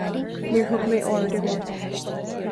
Níor thug mé aird ar bith.